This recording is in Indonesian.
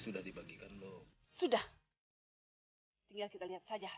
sudah lebih dari cukup